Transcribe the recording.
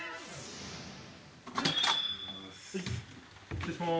「失礼しまーす」